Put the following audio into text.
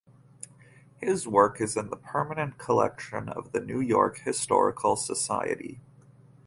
His work is in the permanent collection of the New York Historical Society.